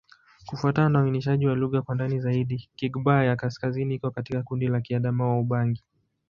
Kufuatana na uainishaji wa lugha kwa ndani zaidi, Kigbaya-Kaskazini iko katika kundi la Kiadamawa-Ubangi.